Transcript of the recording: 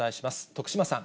徳島さん。